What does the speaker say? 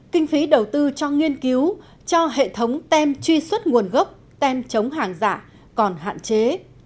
kinh phí đầu tư cho nghiên cứu cho hệ thống tem truy xuất nguồn gốc tem chống hàng giả còn hạn chế